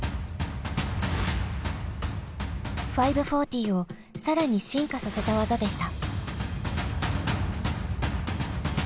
５４０を更に進化させた技でした。